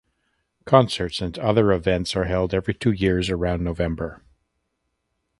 Concerts and other events are held every two years around November.